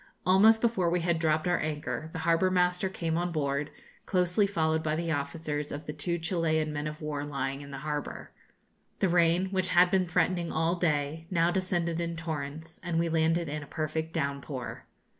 Almost before we had dropped our anchor, the harbour master came on board, closely followed by the officers of the two Chilian men of war lying in the harbour. The rain, which had been threatening all day, now descended in torrents, and we landed in a perfect downpour.